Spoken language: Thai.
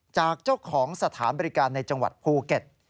จากเจ้าของสถานบริการในจังหวัดภูเก็ต